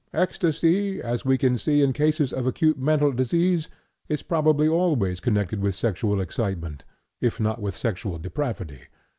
Ecstasy, as we see in cases of acute mental disease, is probably always connected with sexual excitement, if not with sexual depravity.